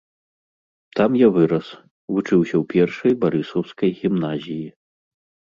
Там я вырас, вучыўся ў першай барысаўскай гімназіі.